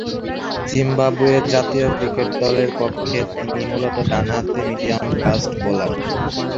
Zimbabwe জাতীয় cricket দলের পক্ষে তিনি মূলতঃ ডানহাতে মিডিয়াম-ফাস্ট বোলার।